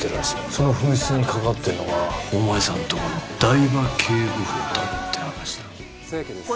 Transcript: その紛失に関わってるのがお前さんとこの台場警部補だって話だ。